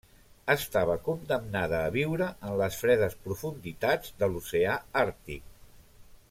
Estava condemnada a viure en les fredes profunditats de l'oceà Àrtic.